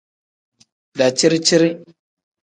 Daciri-ciri.